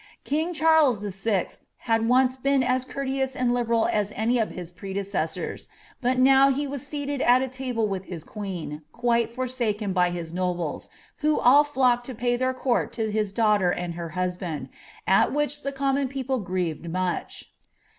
King Charles V!, had once been as conrleous and liberal as any of his pretlecessors , hut now he was seated al a lahle with his queen, quite forsaken by his nobles, who all flocked to pay their court to his daughter and her husband, at which ihe com mon people grieved tiiuch."